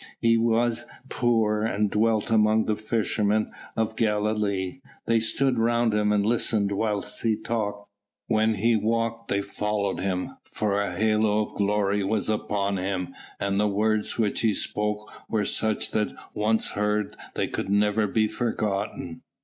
He was poor and dwelt among the fishermen of Galilee. They stood around Him and listened whilst He talked; when He walked they followed Him, for a halo of glory was upon Him and the words which He spoke were such that once heard they could never be forgotten."